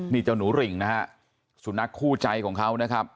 นี่เจ้าหนูริ่งนะฮะสุนัขคู่ใจของเขานะครับ